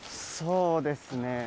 そうですね。